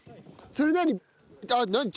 それ何？